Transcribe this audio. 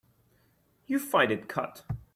You fight it cut.